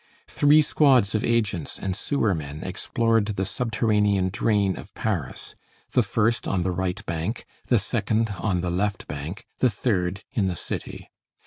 Three squads of agents and sewermen explored the subterranean drain of Paris, the first on the right bank, the second on the left bank, the third in the city.